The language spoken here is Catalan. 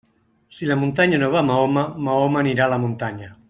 Si la muntanya no va a Mahoma, Mahoma anirà a la muntanya.